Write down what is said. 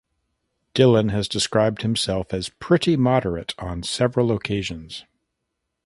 Dillon has described himself as "pretty moderate" on several occasions.